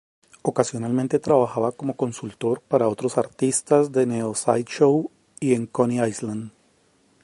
Ocasionalmente trabajaba como consultor para otros artistas de neo sideshow y en Coney Island.